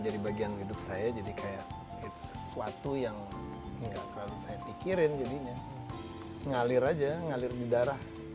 maka musik yang keluarpun yang saya yang bunyi di kepala saya musik jazz